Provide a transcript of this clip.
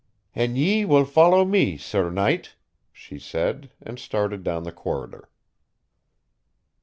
"An ye will follow me, sir knight," she said, and started down the corridor.